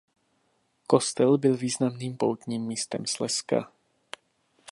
Kostel byl významným poutním místem Slezska.